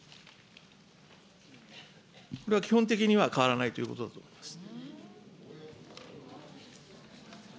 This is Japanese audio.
これは基本的には変わらないということだと思います。